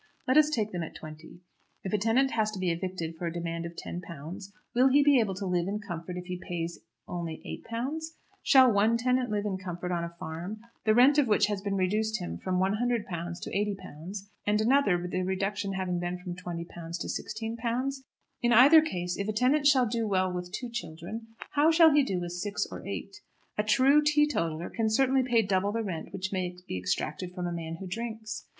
Let us take them at twenty. If a tenant has to be evicted for a demand of £10, will he be able to live in comfort if he pay only £8? Shall one tenant live in comfort on a farm, the rent of which has been reduced him from £100 to £80, and another, the reduction having been from £20 to £16? In either case, if a tenant shall do well with two children, how shall he do with six or eight? A true teetotaller can certainly pay double the rent which may be extracted from a man who drinks.